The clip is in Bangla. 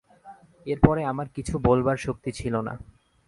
এর পরে আমার কিছু বলবার শক্তি ছিল না।